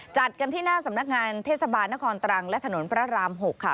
จัดกันที่หน้าสำนักงานเทศบาลนครตรังและถนนพระราม๖ค่ะ